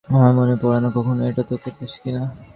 আমার মনে পড়ে না কখনও এতোটা কেঁদেছি কিনা।